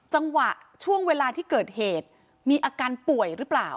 จังหวะช่วงเวลาที่เกิดเหตุมีอาการป่วยหรือเปล่า